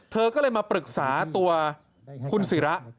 เธอก็เลยมาปรึกษาตัวคุณศิระ